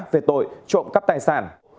về tội trộm cắp tài sản